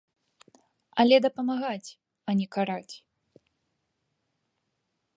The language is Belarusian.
Але дапамагаць, а не караць.